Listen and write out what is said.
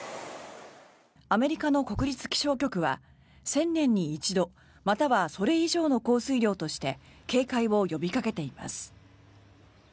アメリカの国立気象局は１０００年に一度またはそれ以上の降水量として警戒を呼びかけています。